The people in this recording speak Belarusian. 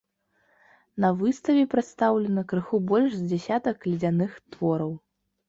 На выставе прадстаўлена крыху больш за дзясятак ледзяных твораў.